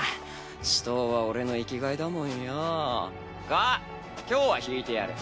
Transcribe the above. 私闘は俺の生きがいだもんよ。が今日は退いてやる。